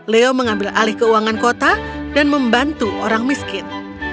leo mengambil alih keuangan kota dan membantu orang miskin